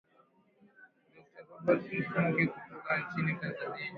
dokta robert mvungi kutoka nchini tanzania